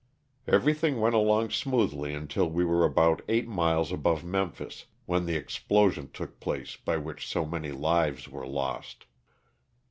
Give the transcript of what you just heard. Everything went along smoothly until we were about eight miles above Mem phis, when the explosion took place by which so many lives were lost.